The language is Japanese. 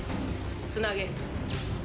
つなげ。